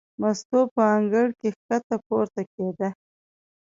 مستو په انګړ کې ښکته پورته کېده.